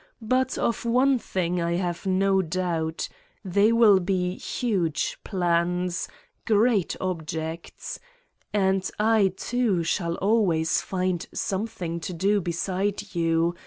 But of one thing I have no doubt : they will be huge plans, great objects. And 167 Satan's Diary I, too, shall always find something to do beside you